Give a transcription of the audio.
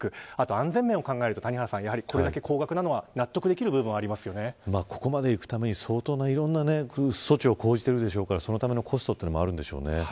安全面を考えるとこれだけ高額なのは納得できる部分はそこまで行くためにいろんな措置を講じているでしょうからそのためのコストもあるんでしょうね。